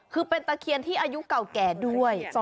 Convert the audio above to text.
คือเป็นตะเคียนที่อายุเก่าแก่ด้วย